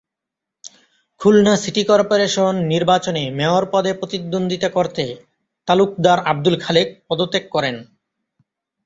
Khulna city corporation নির্বাচনে mayor পদে প্রতিদ্বন্দ্বিতা করতে তালুকদার আবদুল খালেক পদত্যাগ করেন।